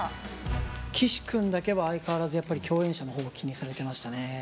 岸君だけは相変わらず、やっぱり共演者のほうを気にされてましたね。